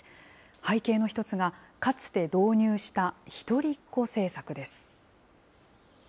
背景の一つが、かつて導入した一人っ子政策です。